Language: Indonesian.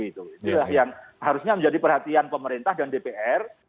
itulah yang harusnya menjadi perhatian pemerintah dan dpr